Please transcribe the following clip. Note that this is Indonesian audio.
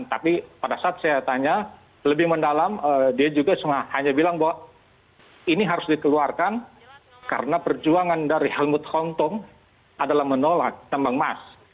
tapi pada saat saya tanya lebih mendalam dia juga hanya bilang bahwa ini harus dikeluarkan karena perjuangan dari helmut hontom adalah menolak tambang emas